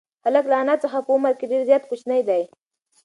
هلک له انا څخه په عمر کې ډېر زیات کوچنی دی.